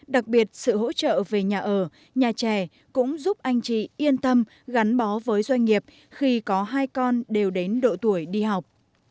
đặc biệt sự hỗ trợ về nhà ở nhà trẻ cũng giúp anh chị yên tâm gắn bó với doanh nghiệp khi có hai con đều đến độ tuổi đi học